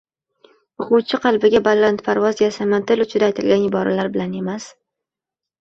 O‘quvchi qalbiga balandparvoz, yasama, til uchida aytiladigan iboralar bilan emas